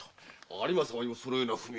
有馬様にもそのような文が？